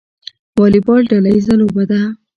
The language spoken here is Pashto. والیبال ډله ییزه لوبه ده